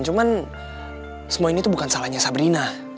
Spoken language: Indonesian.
cuman semua ini tuh bukan salahnya sabrina